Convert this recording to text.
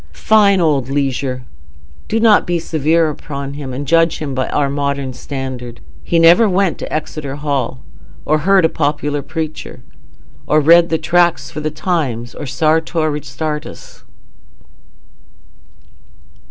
Fine old Leisure! Do not be severe upon him, and judge him by our modern standard. He never went to Exeter Hall, or heard a popular preacher, or read Tracts for the Times or Sartor Resartus.